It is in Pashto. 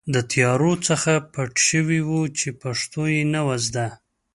د طیارو څخه پټ شوي وو چې پښتو یې نه وه زده.